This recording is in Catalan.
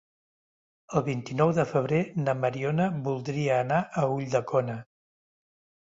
El vint-i-nou de febrer na Mariona voldria anar a Ulldecona.